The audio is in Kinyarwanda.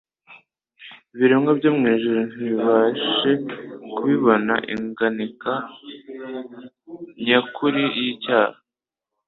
ibiremwa byo mu ijuru ntibibashe kubibonamo inganika nyakuri y'icyaha.